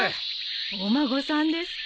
お孫さんですか？